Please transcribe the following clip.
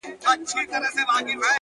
هغه هم نسته جدا سوی يمه’